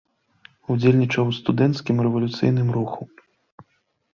Удзельнічаў у студэнцкім рэвалюцыйным руху.